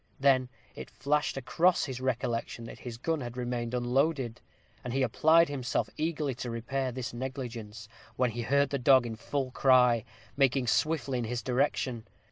Just then it flashed across his recollection that his gun had remained unloaded, and he applied himself eagerly to repair this negligence, when he heard the dog in full cry, making swiftly in his direction.